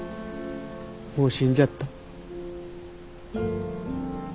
もう死んじゃった。